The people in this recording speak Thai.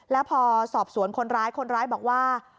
แล้วพอสอบสวนคนร้ายคนร้ายบอกว่า